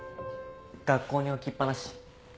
学校に置きっぱなし。